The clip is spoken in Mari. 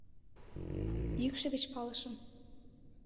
Йӱкшӧ гыч палышым.